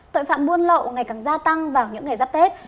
tội phạm buôn lậu ngày càng gia tăng vào những ngày giáp tết